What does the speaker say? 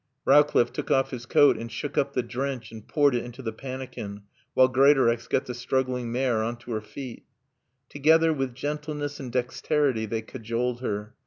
Rowcliffe took off his coat and shook up the drench and poured it into the pannikin, while Greatorex got the struggling mare on to her feet. Together, with gentleness and dexterity they cajoled her.